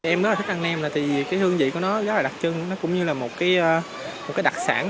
em rất là thích ăn nem là vì cái hương vị của nó rất là đặc trưng nó cũng như là một cái đặc sản